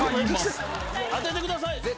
絶対当ててください